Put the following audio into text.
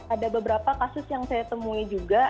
ada beberapa kasus yang saya temui juga